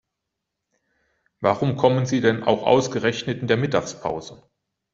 Warum kommen Sie denn auch ausgerechnet in der Mittagspause?